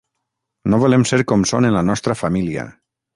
No volem ser com són en la nostra família.